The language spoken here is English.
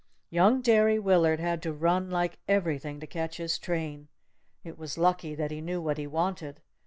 Young Derry Willard had to run like everything to catch his train. It was lucky that he knew what he wanted.